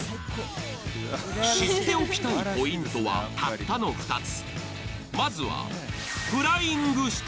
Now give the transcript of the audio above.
知っておきたいポイントは、たったの２つ。